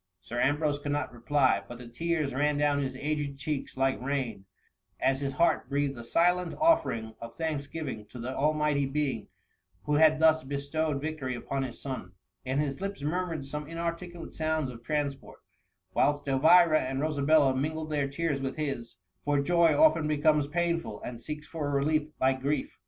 '^ Sir Ambrose could not reply, but the tears ran down his aged cheeks like rain, as his heart breathed a silent offering of thanksgiving to the Almighty Being who had thus bestowed vic tory upon his son ; and his lips murmured some inarticulate sounds of transport; whilst Elvira and Rosabella mingled their tears with his, for joy often becomes painful, and seeks for a relief like grief.